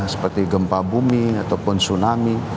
seperti gempa bumi ataupun tsunami